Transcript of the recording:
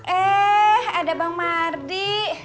eh ada bang mardi